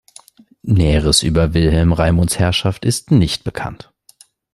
Näheres über Wilhelm Raimunds Herrschaft ist nicht bekannt.